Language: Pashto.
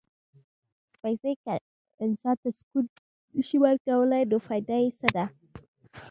پېسې که انسان ته سکون نه شي ورکولی، نو فایده یې څه ده؟